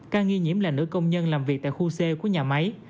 ca nghi nhiễm là nữ công nhân làm việc tại khu c của nhà máy